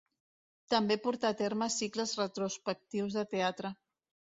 També portà a terme cicles retrospectius de teatre.